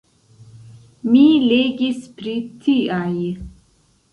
Mi legis pri tiaj.